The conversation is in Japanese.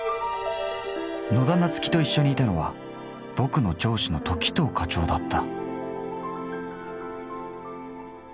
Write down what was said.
野田菜月と一緒にいたのはボクの上司の時任課長だった。